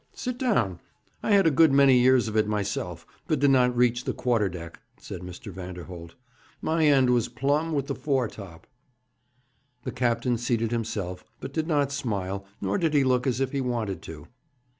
Sit down. I had a good many years of it myself, but did not reach the quarter deck,' said Mr. Vanderholt. 'My end was plumb with the fore top.' The captain seated himself, but did not smile, nor did he look as if he wanted to.